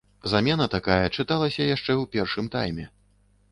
Замена такая чыталася яшчэ ў першым тайме.